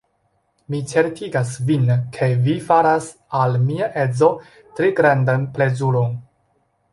Mi certigas vin, ke vi faras al mia edzo tre grandan plezuron.